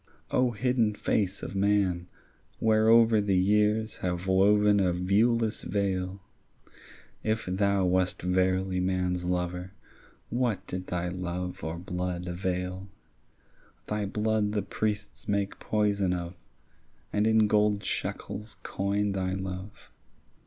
O hidden face of man, whereover The years have woven a viewless veil, If thou wast verily man's lover, What did thy love or blood avail? Thy blood the priests make poison of, And in gold shekels coin thy love.